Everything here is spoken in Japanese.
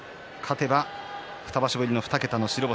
勝てば２場所ぶりの２桁の白星。